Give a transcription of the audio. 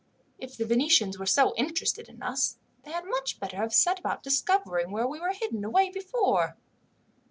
If the Venetians were so interested in us, they had much better have set about discovering where we were hidden away before."